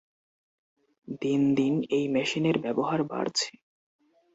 দিন দিন এই মেশিনের ব্যবহার বাড়ছে।